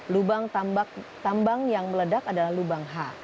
lubang tambang yang meledak adalah lubang h